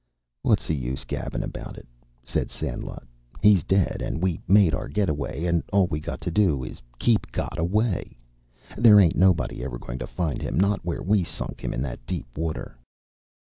"What's the use gabbin' about it?" said Sandlot. "He's dead, and we made our get away, and all we got to do is to keep got away. There ain't anybody ever goin' to find him, not where we sunk him in that deep water."